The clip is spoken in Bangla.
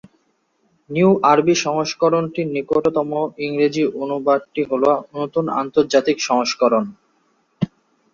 নিউ আরবি সংস্করণটির নিকটতম ইংরেজি অনুবাদটি হল নতুন আন্তর্জাতিক সংস্করণ।